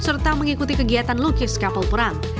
serta mengikuti kegiatan lukis kapal perang